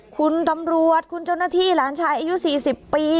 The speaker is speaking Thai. คุณตำรวจคุณเจ้าหน้าที่หลานชายอายุ๔๐ปี